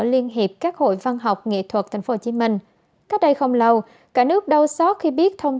liên hiệp các hội văn học nghệ thuật tp hcm cách đây không lâu cả nước đau xót khi biết thông